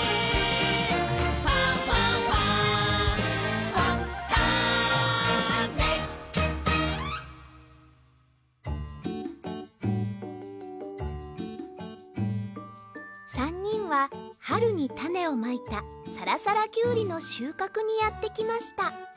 「ファンファンファン」３にんははるにたねをまいたさらさらキュウリのしゅうかくにやってきました